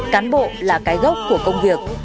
cán bộ là cái gốc của công việc